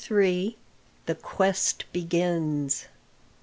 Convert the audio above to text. THE QUEST BEGINS.